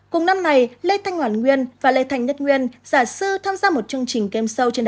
cùng năm này lê thanh hoàn nguyên và lê thành nhất nguyên giả sư tham gia một chương trình